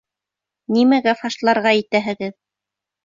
Нимәгә фашларға итәһегеҙ?